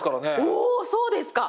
おおそうですか！